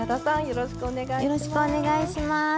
よろしくお願いします。